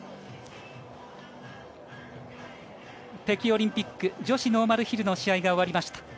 北京オリンピック女子ノーマルヒルの試合が終わりました。